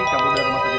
kamu sudah rumah terjiwa